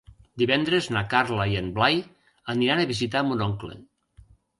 Divendres na Carla i en Blai aniran a visitar mon oncle.